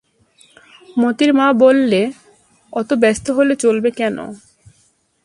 মোতির মা বললে, অত ব্যস্ত হলে চলবে কেন?